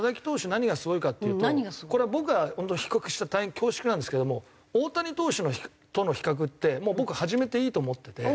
何がすごいかっていうとこれ僕が本当比較したら大変恐縮なんですけども大谷投手との比較ってもう僕始めていいと思ってて。